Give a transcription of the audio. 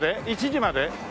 １時まで？